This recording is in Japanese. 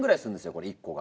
これ１個が。